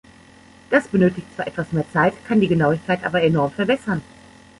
Das benötigt zwar etwas mehr Zeit, kann die Genauigkeit aber enorm verbessern.